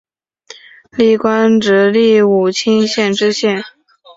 历官直隶武清县知县。